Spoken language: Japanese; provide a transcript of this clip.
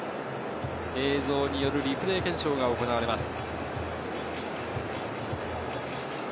映像によるリプレー検証が行われます。